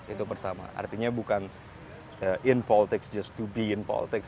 itu pertama artinya bukan in politics just to be in politics